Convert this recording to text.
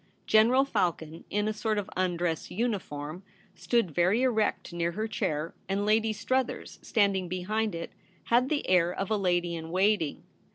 General Falcon, in a sort of undress uniform, stood very erect near her chair, and Lady Struthers, standing behind it, had the air of a lady in waiting.